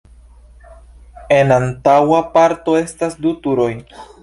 En antaŭa parto estas du turoj.